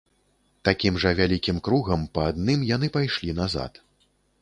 Такім жа вялікім кругам, па адным, яны пайшлі назад.